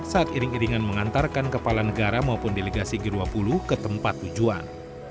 saat iring iringan mengantarkan kepala negara maupun delegasi g dua puluh ke tempat tujuan